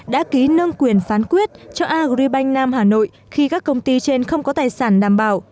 đã ký nâng quyền phán quyết cho agribank nam hà nội khi các công ty trên không có tài sản đảm bảo